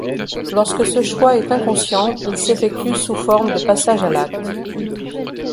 Lorsque ce choix est inconscient, il s'effectue sous forme de passage à l'acte.